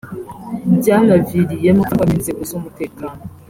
byanaviriyemo gufatwa n’inzego z’umutekano